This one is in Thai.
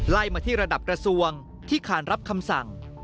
มาที่ระดับกระทรวงที่ขานรับคำสั่ง